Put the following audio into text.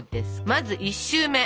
まず１周目。